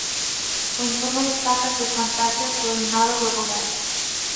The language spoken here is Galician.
O informe destaca as "desvantaxes" do alumnado do rural.